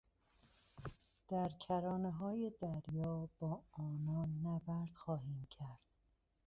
در کرانههای دریا با آنان نبرد خواهیم کرد.